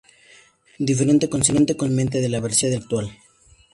Difiere considerablemente de la versión actual.